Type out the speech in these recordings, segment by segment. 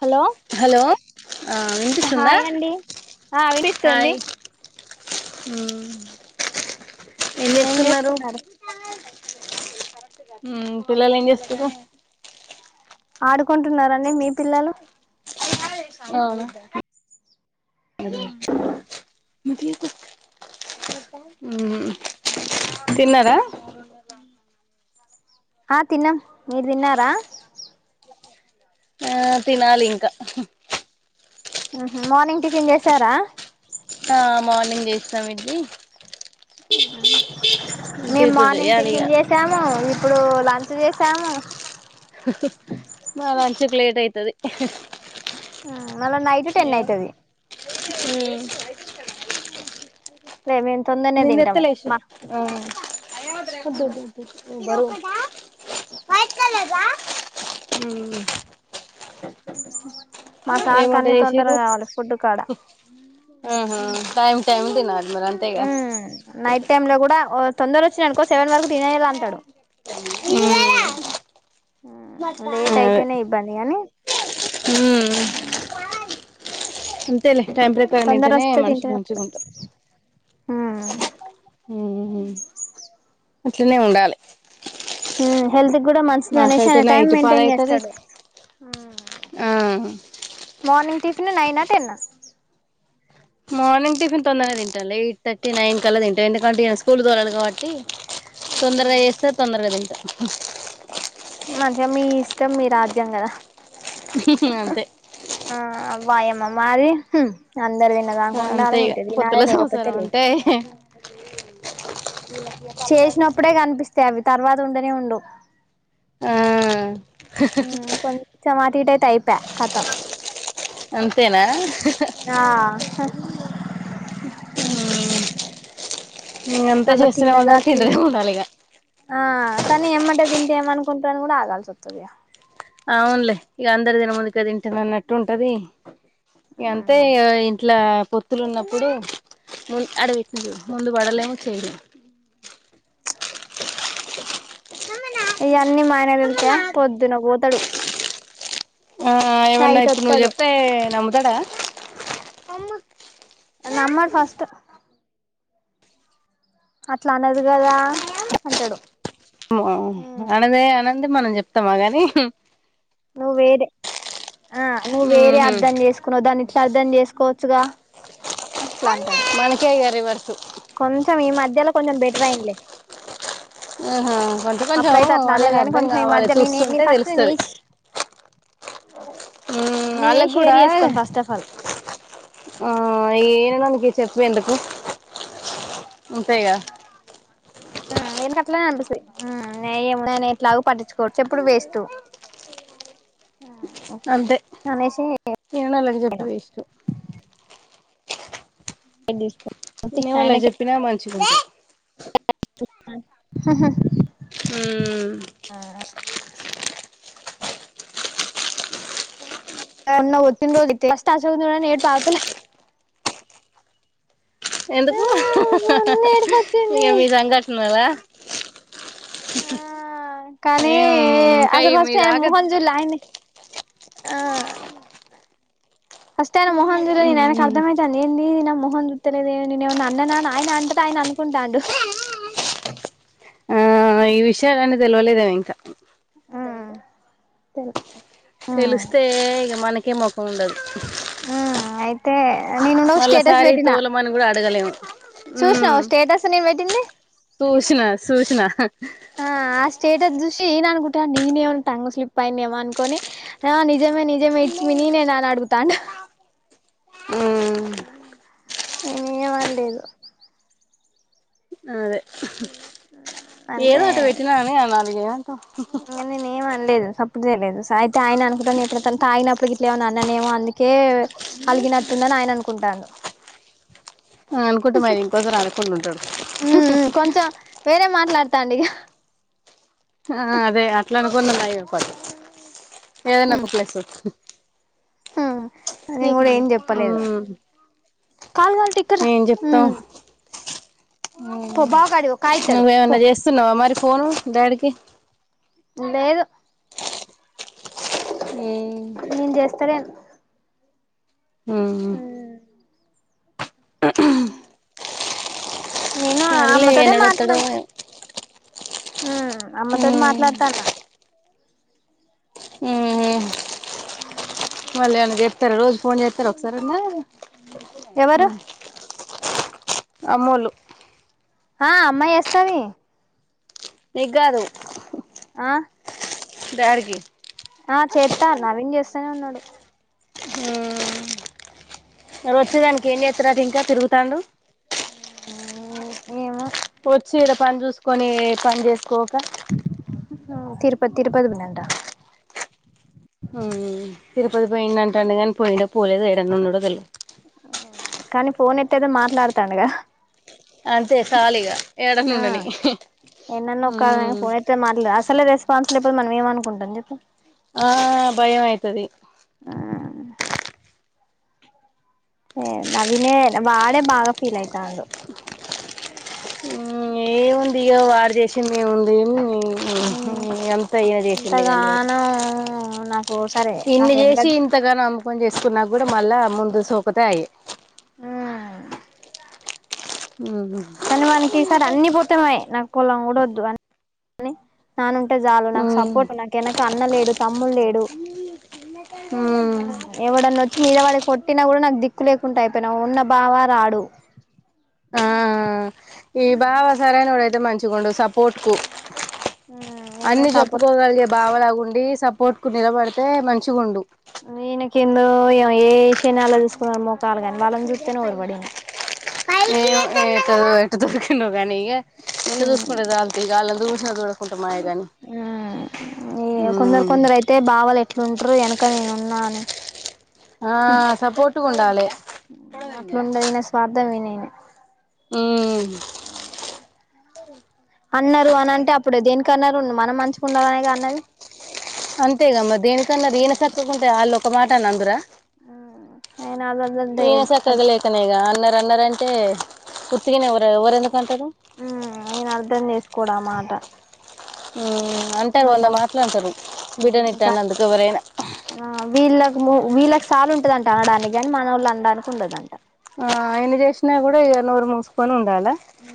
Hello hello ఆ వినిస్తుందా hi అండి ఆ వినిపిస్తుంది హాయ్ హుమ్ ఏం చేస్తున్నారు ఉమ్ పిల్లలు ఏమి చేస్తురు ఆడుకుంటున్నారండి మీ పిల్లలు అవును [unintelligible] ఉమ్ తిన్నారా ఉమ్ ఆ తిన్నాం మీరు తిన్నారా ఆ తినాలి ఇంకా ఉహు మార్నింగ్ టిఫిన్ చేసారా ఆ మార్నింగ్ చేసినాం ఇడ్లి బ మేము మార్నింగ్ చెయ్యాలి ఇగ టిఫిన్ చేసాము ఇప్పుడు లంచ్ చేసాము మా మంచుకి లేట్ అయితది మళ్ళా నైట్ టెన్ మ్మ్ అయితది లే మేము తొందరనే నిన్న తింటాం విత్తలు మా వేసినా ఉమ్ మా సార్కి వంట అన్ని తొందరగ చేసిర్రు కావాలి ఫుడ్ కాడ ఆహా టైమ్ టైమ్ తినాలి మరి అంతే ఉమ్ నైట్ టైమ్ లో కూడ తొందర వచ్చిన అనుకో సెవెన్ వరకు తినేయేల అంటాడు ఆ లేట్ అదే అయితేనే ఇబ్బంది గాని ఉమ్ అంతేలే టైమ్ ప్రకారం తొందర తింటెనే వస్తే మనిషి తింటడు మంచిగ అప్పుడు ఉంట ఉమ్ అట్లనే ఉండాలె హెల్త్ కూడా మంచిది అనేసి మాకైతే ఆయన టైమ్ నైట్ మెయింటైన్ పదైతది చేస్తాడు ఆ మార్ర్నింగ్ టిఫన్ నైన్ అ టెన్ అ మార్నింగ్ టిఫిన్ తొందరనే తింటాలె ఎయిట్ థర్టీ నైన్ కళ్ళ తింట ఎందుకంటే ఈయన స్కూల్ కి తోలాలి కాబట్టి ఆహా తొందరగ చేస్తే తొందరగ తింట మంచిగా మీ ఇష్టం మీ రాజ్యం కదా అంతే ఆ వాయమ్మ మాది అందరు తిన్నదాంక ఉండాలి అంతే ఇగ ఉంటే కొత్త తినాలి లో సంవత్సర లేకపోతే లేదు అంటే చేసినప్పుడే కనిపిస్తాయి అవి తర్వాత ఉండనే ఉండు ఆ కొంచెం అటుఇటు అయితే అయిపాయ్ కతం అంతేనా ఆ ఉమ్ ను ఎంతా మళ్ళా చేస్తూనే తిన్నగా ఉండాలి తిన్ తింటనే ఉండాలి ఇక ఆ కానీ ఏమంటే తింటే ఏమనుకుంటుర అని కూడా ఆగాల్సి వస్తుంది అవునులే ఇక అందరి తినక ముందు కది ఇంటే అన్నట్టు ఉంటది అంతే ఇంట్లా పొత్తులు ఉన్నప్పుడు అడవి ముందు పడలేము చేయలేము ఇవన్నీ మాయన వెళ్తే పొద్దున పోతడు ఆ ఏమన్నా ఇప్పుడు నువ్ చెప్తే నమ్ వత్తడ నమ్మడు ఫస్టు అట్లా అనదు కదా అంటాడు అనదే అనద్ అంటే మనం చెప్తామా గాని నువ్వు వేరే ఆ నువ్వు వేరే ఉహు అర్ధం చేసుకున్నావు దాన్ని ఇట్లా అర్ధం చేసుకోవచ్చుగా అట్లా అంటాడు సు కొంచెం ఈ మధ్యలో కొంచెం బెటర్ అయిందిలే ఆహా కొంచెం కొంచం అప్పుడైతే అట్లా అనేది వాళ్ళకి కానీ అర్థం కొంచెం ఈ కావాలి మధ్య నేనే చూస్తుంటే నేను ఫస్ట్ నేనే తెలుస్తది ఊ నేనేవి వాళ్లకి గూడ షేర్ చేసుకోను ఫస్ట్ ఆఫ్ ఆల్ ఆ ఏమని చెప్ నువ్వు ఎందుకు అంతేగా ఆ ఎందుకు అట్లా అనిపిస్తది ఆ నే ఏమి లే ఎట్లాగో పట్టించుకోడు చెప్పుడు వేస్టు అంతే నేను ఆల్లకి జొప్పి వేస్టు లైట్ తీసుకో ఇంగా వాళ్ళకు జొప్పినా మం చి గుండదు హాహా ఊ [unintelligible] ఆ ఎందుకు మొన్న ఏడుపు ఇక వచ్చింది మీ సంఘటన వల ఆ కానీ ఏం ఇంకా ఆసలు మీ ఫస్ట్ ఆయన దాకా మోహం జూల్యా ఆయన్ని ఆ ఫస్ట్ ఆయన మోహమ్ జూల్యా నేను ఆయనకు అర్దం అయితాంది ఏంది నా మొహం మొహం చూత్తలేదే నేనేమన్న అన్న నా అని ఆయన అంతకు ఆయన అనుకుంటాండు ఆ ఈ విషయాలన్నీ తెల్వలేదేమో ఇంకా ఆ తెలు తెలిస్తే ఇక మనకే మొఖం ఉండదు ఆ అయితే నేనుండ ఓ స్టేటస్ మళ్ళసారి పెట్టినా తోలమని కూడా అడగలేము ఉమ్ చూసినావ స్టేటస్ నేను పెట్టింది హ ఆ ఆ స్టేటస్ చూసి ఈయన అనుకుంటాండు. నేనేమన్న టంగ్ స్లిప్ అయి న్నేమో అనుకొని ఆ నిజమే నిజమే ఇట్స్ మి నీనే నా అని అడుగుతాండు. ఉమ్ నేను ఏమి అండ్లేదు అదే ఏదో అంటే ఒకటి పెట్టిన అని అనాలిగా లేదు సప్పుడు చేయలేదు సయితే ఆయన అనుకుంటన్నా నేనుప్పుడు ఆయనప్పటికి ఇట్లేమ అన్ననేమో అందుకే అలిగినట్టుందని ఆయన అనుకుంటాను అనుకుంట మరి ఇంకోసారి అలకుండా ఉంటాడు తాండిగా ఆ అదే అట్లా [inaudible] ఏదైనా ఒక ప్లేస్ వకు ఆ తీ ఆ కాల్ కాల్ తాయి ఇక్కడ్రా ఉమ్ పో బావకాడికి కాయ్తాడు పో నువ్వేమన్నా చేస్తున్నావా మరి ఫోను డాడికి లేదు ఉమ్ నేన్ జేస్తలేను ఉమ్ నేను ఆ ఏనాదోత్తడో ఏం హ్మ్మ్ అమ్మతోటి మాట్లాడతాన్న మళ్ళీ అన్నకి చెప్తారు రోజు ఫోన్ చేస్తారు ఒకసారి అన్న ఎవరు అమ్మోళ్ళు ఆ అమ్మ ఏస్తాది నిగ్గదు ఆ దారికి చేత్తన్న రింగ్ జేస్తానే ఉన్నాడు రొచ్చుదనికి ఏం తరువాత ఇంకా తిరుగుతండు ఉమ్ ఏమో వచ్చి ఇడా పని చూసుకొని పని చేసుకోక తిరుపతి తిరుపతి పోయినాన్టా తిరుపతి పోయిండు అంటాండు కానీ పోయిండో పోలేదు ఎడన్న ఉన్నాడు తేలియ కానీ ఫోన్ ఎత్తైతే మాట్లాడుతండు కదా అంతే సాలిగా ఏడన్నా ఆ ఉండని ఎన్నన్న ఉ ఫన్తే మాట్దు అసలే రెస్పాాన్స్లు ఇప్పుడు మనం ఏమ అనుకుంటాం చెప్పు ఆ భయం అయితది అ ఏ నవీనే వాడే బాగా ఫీల్ అయితాండు. ఏముందిగో వాడు జేసిందేముంది ఎంత ఈయన చేసిందే కనిమాట ఇంతగానం నాకు సరే ఇన్ని నాకు వెనక చేసి ఇంతగానో అమ్మకం చేసుకున్నాక కూడా మళ్ళా అమ్మనుజుసి ఒకథాయె మ్ మ్మ్ కని వానికి ఈసార్ అన్ని పోతెమాయే నాకు పోలం గుడొద్దు అన్నీ టె జాలు నాకు మ్మ్ సపోర్ట్ నాకు ఎనక అన్నలేడు తమ్ములేడు ఉమ్ ఎవడన్నా వచ్చి మీద వాడి కొట్టినా కూడా నాకు దిక్కు లేకుండా అయిపోయినావు ఉన్న బావ రాడు ఆ ఈ బావ సరైనోడైత్ దె మంచిగుండు సపోర్ట్ కు నేనే అన్ని సపోర్ట్ చెప్పుకోగలిగే బావలా ఉండి సపోర్ట్ కు నిలబడితే మంచిగుండు. వీనికెందో ఏష నలా చూస్ ఏమో ఇక్కడపోయిండ్ [unintelligible] గానీ ఇగ. నిన్ను జూసుకుంటే చాల్తీ ఇగ అళ్ళని చూసినా చూడకుంట మాయగాని ఉమ్ హ్మ్ ట్రూ ఎనక నేనున్నా అని ఆ సపోర్ట్ గుండాలె అట్లుండదు ఈయన స్వార్థం ఈయననే ఉమ్ అన్నరు అనంటే అప్పుడు దేనికి అన్నరు, మనం మంచిగుండాలనే గా అన్నది. అంతేగా మర్ దేనికన్న ఈన సక్కగుంటె ఆ లోక్ క్కమాటాన్నా అందురా? ఆ ఈన సక్క వదిలేకనేగా అన్న రన్నర్ అంటే పూర్తిగానే ఎవరు ఎవరెందు కంటేరు కూడా మాట హూ అంటారు వంద నన్న మాట్లు అంటారు బిడ్డని ఇట్టా ఇంకా అన్నందుకు ఎవరైనా వీళ్ళకు వీళ్ళకి సాల్ ఉంటదంట అనడానికి గాని మనోళ్ళు అనడానికి ఉండదంట ఆ ఆయన చేసినా కూడా ఇక నూరు మూసుకొని ఉన్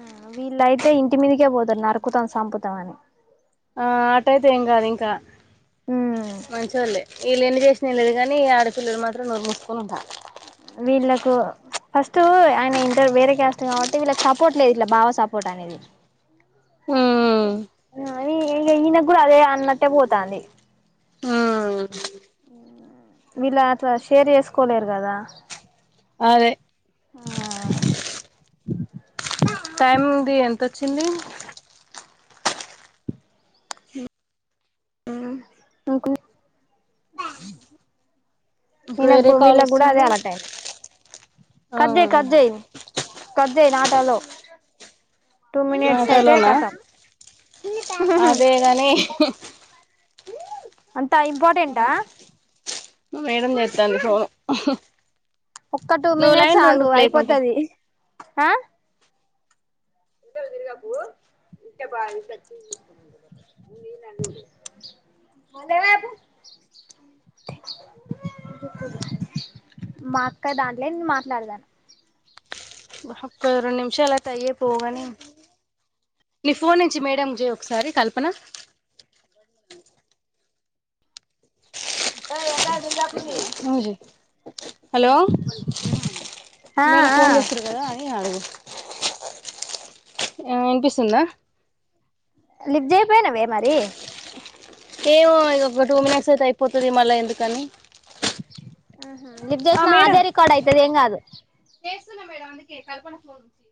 ఆ వీలై తే ఇంటి మీదకే పోతార్ నరుకుతాం సంపుతాం అని ఆ అట అయితే ఏం కాదు ఇంకా మంచోల్లే వీల్ ఎన్ని చేసిన ఏం లేదు కానీ ఆడపిల్లలు మాత్రం నోరుమూసుకుని ఉండ వీళ్ళలకు ఫస్ట్ ఆయన్ ఇంటర్ వేరే క్యాస్ట్ కాబట్టి వీళ్ళకి సపోర్ట్ లేదు ఇట్లా బావ సపోర్ట్ అనేది ఉమ్ అని ఈయన కూడా అదే అన్నట్టే పోతంది ఉమ్ విలా అట్ల షేర్ చేసుకోలేరు కదా అదే ఆ టైమ్ది ఎంతొచ్చింది నాకు ఇప్పుడు వేరే ఈయనకు కాల్ వీళ్లకు కూడా అదే వస్తుంది అలవాటైంది ఆ చాలో నాట్ ఆలో నా అంత ఇంపార్టెంంటా మేడం చేతాంది ఫోన్ ఒక్క టూ మినిట్స్ ఆగు అయిపోతది ఆ మా అక్క దాంట్లే నేన్ మాట్లాడేదాన్ ఒక్క రెండు నిమిషాలు అయితే అయ్యే పోవుగాని నీ ఫోన్ నుంచి మేడం కి చే ఒకసారి కల్పన ఎంట నువ్ జే హలో ఆ మేడం ఆ ఫోన్ చేస్తారు కదా అని అడుగు ఆ వినిపిస్తుందా లిఫ్ చేయి పోయినవే మరి ఏమో ఇక ఒక టూ మినిట్స్ అయితే అయిపోతది మళ్ళీ ఎందుకని అ లిఫ్ చేసిన అదే రికార్డ్ అయితది ఏం కాదు చేస్తున్నా మేడం అందుకే కల్పన ఫోన్ నుంచి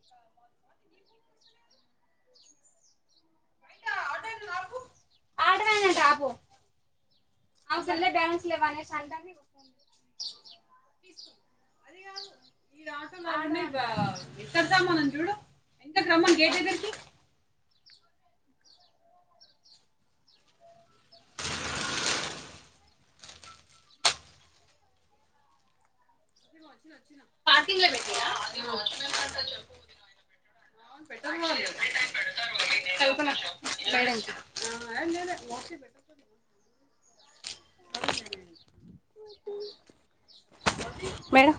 ఆటో వాన్ అంట ఆపు ఆమె సరిలే బ్యాంక్స్ లేవా అనేసి అంటాంది ఇతర చ మన ఇూడు ఎంత క్రమం గేట్గరికి పార్కింగ్ లో పెట్టినా కల్పనా మేడమ్ కి టి మేడం